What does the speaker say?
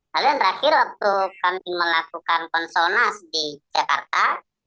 lalu yang terakhir waktu kami melakukan konsonas di jakarta